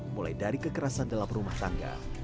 mulai dari kekerasan dalam rumah tangga